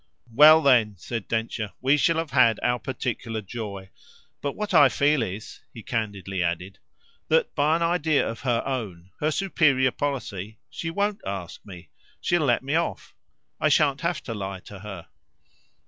"Well then," said Densher, "we shall have had our particular joy. But what I feel is," he candidly added, "that, by an idea of her own, her superior policy, she WON'T ask me. She'll let me off. I shan't have to lie to her."